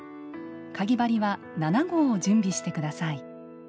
かぎ針は７号を準備してください。